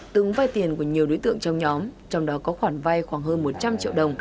từng vai tiền của nhiều đối tượng trong nhóm trong đó có khoản vay khoảng hơn một trăm linh triệu đồng